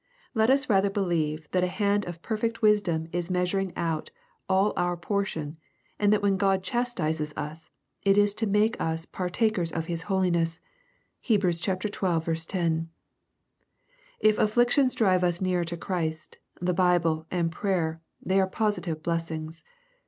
Let us rather believe that a hand of perfect vrisdom is measur ing out all our portion, and that when God chastises us, it is to make us "partakers of his holiness." (Heb. xii, 10.) If afflictions drive us nearer to Christ, the Bible, and prayer, they are positive blessings.